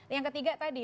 yang ketiga tadi